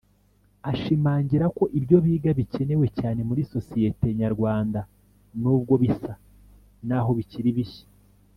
Ashimangira ko ibyo biga bikenewe cyane muri sosiyete nyarwanda n’ubwo bisa n’aho bikiri bishya